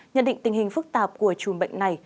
nhận định tình hình phức tạp của chùm bệnh này